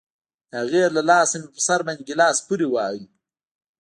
د هغې له لاسه مې په سر باندې گيلاس پورې وواهه.